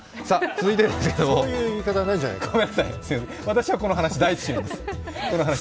続いてですけどもそういう言い方ないじゃないですか。